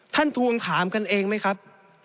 ทวงถามกันเองไหมครับ